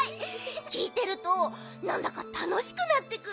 きいてるとなんだかたのしくなってくるね。